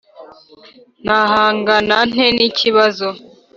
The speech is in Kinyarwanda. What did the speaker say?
Nahangana nte n ikibazo